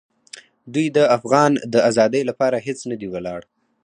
دوی د افغان د آزادۍ لپاره هېڅ نه دي ولاړ.